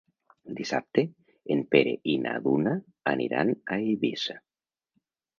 Dissabte en Pere i na Duna aniran a Eivissa.